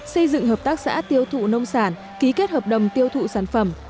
xây dựng hợp tác xã tiêu thụ nông sản ký kết hợp đồng tiêu thụ sản phẩm